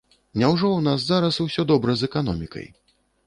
Няўжо ў нас зараз усё добра з эканомікай?